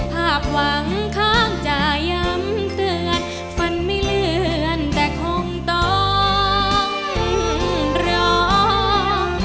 ภาพหวังข้างจะย้ำเตือนฟันไม่เลื่อนแต่คงต้องร้อง